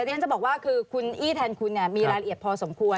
ที่ฉันจะบอกว่าคือคุณอี้แทนคุณมีรายละเอียดพอสมควร